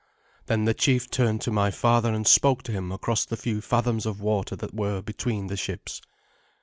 Then the chief turned to my father, and spoke to him across the few fathoms of water that were between the ships.